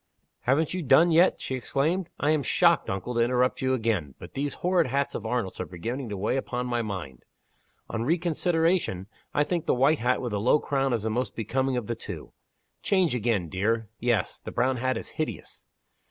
"Haven't you done yet!" she exclaimed. "I am shocked, uncle, to interrupt you again but these horrid hats of Arnold's are beginning to weigh upon my mind. On reconsideration, I think the white hat with the low crown is the most becoming of the two. Change again, dear. Yes! the brown hat is hideous.